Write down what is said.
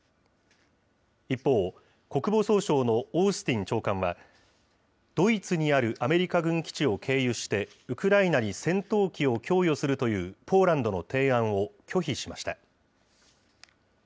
一方、国防総省のオースティン長官は、ドイツにあるアメリカ軍基地を経由して、ウクライナに戦闘機を供与するというポーランドの提案を拒否しました。